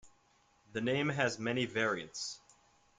The name has many variants.